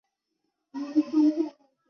地下车站。